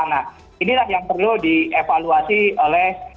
nah inilah yang perlu dievaluasi oleh